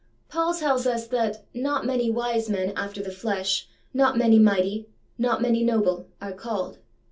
Paul tells us "that not many wise men after the flesh, not many mighty, not many noble, are called.